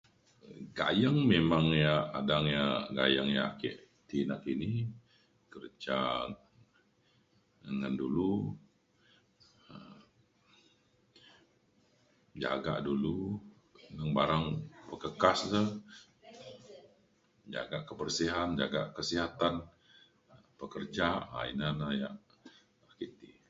gayeng memang yak adang yak gayeng yak ake ti nakini kerja ngan dulu um jagak dulu neng barang perkakas le jagak kebersihan jaga kesihatan pekerja um ina na yak ake ti.